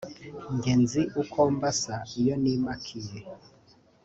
njye nzi uko mba nsa iyo nimakiye